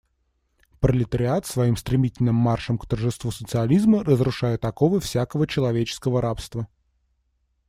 Пролетариат своим стремительным маршем к торжеству социализма разрушает оковы всякого человеческого рабства.